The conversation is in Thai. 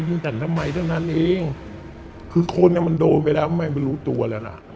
ยิงฉันทำไมเท่านั้นเองคือคนเนี่ยมันโดนไปแล้วไม่รู้ตัวแล้วล่ะ